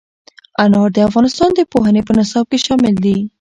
انار د افغانستان د پوهنې په نصاب کې شامل دي.